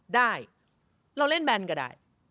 ได้เราเล่นแบนก็ได้